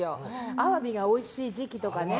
アワビがおいしい時期とかね